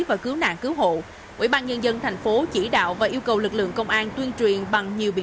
và cứu nạn cứu hộ ủy ban nhân dân tp chỉ đạo và yêu cầu lực lượng công an tuyên truyền